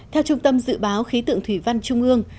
theo trung tâm dự báo khí tượng thủy văn trung ương